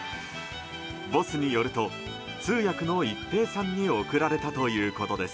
ＢＯＳＳによると通訳の一平さんに贈られたということです。